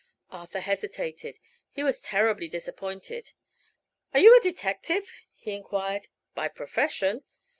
Arthur hesitated; he was terribly disappointed. "Are you a detective?" he enquired. "By profession."